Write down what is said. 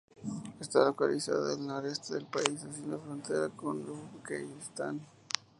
Está localizada en el noreste del país, haciendo frontera con Uzbekistán.